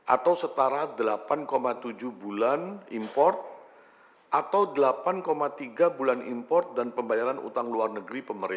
atau setara delapan tujuh bulan import atau delapan tiga bulan import dan pembayaran utang luar negeri